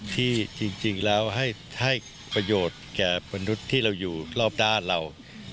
ที่จริงแล้วให้ประโยชน์แก่มนุษย์ที่เราอยู่รอบด้านเรา